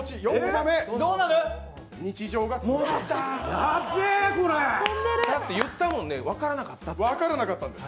だって、最初に言ったもんね分からなかったって。